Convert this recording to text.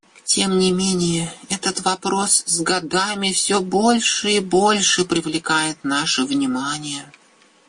Тем не менее, этот вопрос с годами все больше и больше привлекает наше внимание.